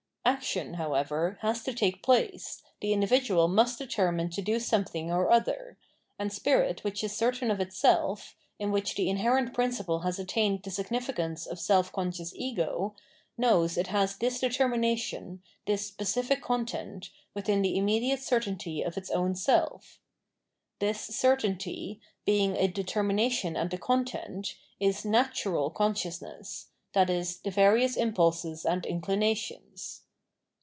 Action, however, bas to take place, tbe individual must determine to do some thing or other ; and spirit which is certain of itself, in which the inherent principle has attained the sig nificance of self conscious ego, knows it has this deter mination, this specific content, within the immediate certainty of its own self. This certainty, being a determination and a content, is " natural " conscious ness, i.e. the various impulses and inclinations.